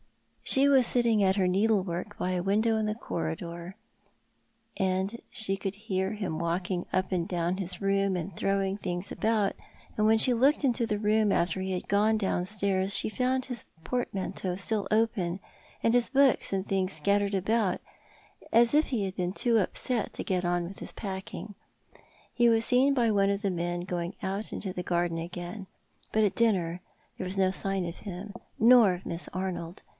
She was sitting at her needlework by a window in the corridor, and she could hear him walking u]) and down his room, and throwing things about ; and when she looked into the room after he had gone downstairs she found his portmanteau still open, and his books and things scattered about, as if he had been too upset to get on with his packing. He was seen by one of the men going out into the garden again ; but at dinner there was no sign of him, nor of IMiss Arnold.